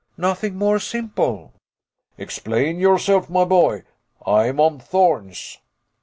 "Nothing more simple." "Explain yourself, my boy. I am on thorns."